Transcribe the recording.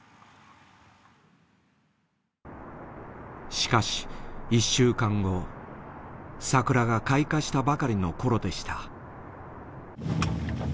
しかし１週間後桜が開花したばかりのころでした。